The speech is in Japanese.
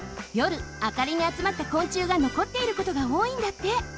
あかりにあつまった昆虫がのこっていることがおおいんだって。